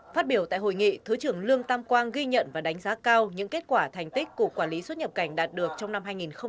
phát biểu tại hội nghị thứ trưởng lương tam quang ghi nhận và đánh giá cao những kết quả thành tích cục quản lý xuất nhập cảnh đạt được trong năm hai nghìn hai mươi